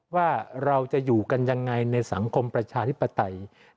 ว่าเราจะอยู่กันยังไงในสังคมประชาธิปไตย